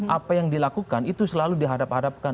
apa yang dilakukan itu selalu dihadap hadapkan